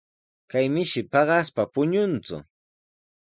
Kay mishi paqaspa puñunku.